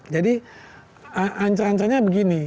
jadi ancar ancarnya begini